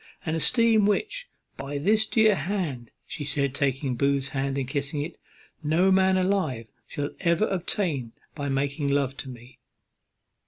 An esteem which, by this dear hand," said she, taking Booth's hand and kissing it, "no man alive shall ever obtain by making love to me."